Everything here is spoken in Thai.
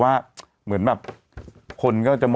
สวัสดีครับคุณผู้ชม